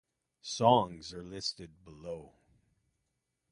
Songs are listed below.